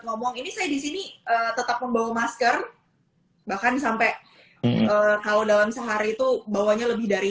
ngomong ini saya disini tetap membawa masker bahkan sampai kalau dalam sehari itu bawanya lebih dari